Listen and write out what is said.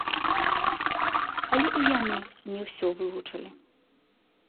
Але і яны не ўсё вывучылі.